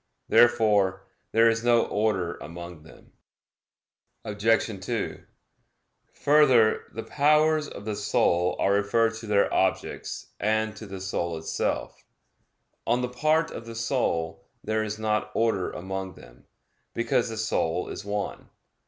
Therefore there is no order among them. Obj. 2: Further, the powers of the soul are referred to their objects and to the soul itself. On the part of the soul, there is not order among them, because the soul is one.